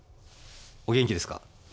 お元気ですか？